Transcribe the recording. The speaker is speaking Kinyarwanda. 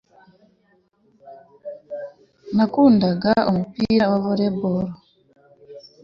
na kundaga umupira volebolo